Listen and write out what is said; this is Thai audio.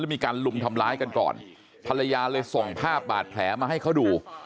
มีการลุมทำร้ายกันก่อนภรรยาเลยส่งภาพบาดแผลมาให้เขาดู